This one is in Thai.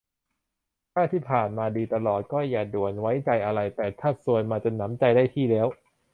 ถ้าที่ผ่านมาดีมาตลอดก็อย่าด่วนไว้ใจอะไร แต่ถ้าซวยมาจนหนำใจได้ที่แล้ว